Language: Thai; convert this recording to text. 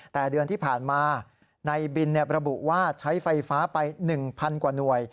แต่เดือนที่ผ่านมาในบินระบุว่าใช้ไฟฟ้าไป๑๐๐กว่าหน่วย